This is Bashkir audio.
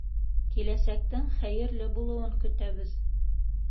Киләсәктең хәйерле булыуын көтәбеҙ.